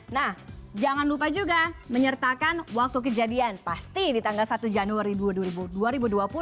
nah jangan lupa juga menyertakan waktu kejadian pasti di tanggal satu januari dua ribu dua puluh